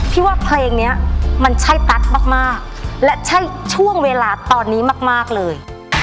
ว่าเพลงนี้มันใช่ตั๊กมากและใช่ช่วงเวลาตอนนี้มากเลย